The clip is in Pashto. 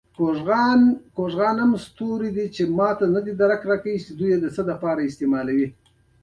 ښوونځی ذهنونه روښانه کوي.